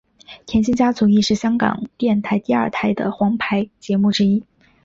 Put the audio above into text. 甜心家族亦是香港电台第二台的皇牌节目之一。